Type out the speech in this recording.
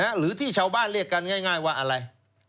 หรือที่ชาวบ้านเรียกกันง่ายว่าอะไร